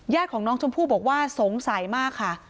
ของน้องชมพู่บอกว่าสงสัยมากค่ะ